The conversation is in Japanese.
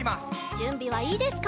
じゅんびはいいですか？